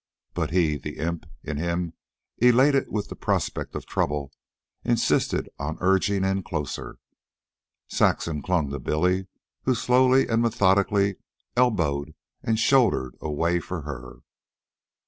But he, the imp in him elated with the prospect of trouble, insisted on urging in closer. Saxon clung to Billy, who slowly and methodically elbowed and shouldered a way for her.